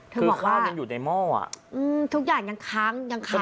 คือข้าวมันอยู่ในหม้ออ่ะทุกอย่างยังค้างยังค้าอยู่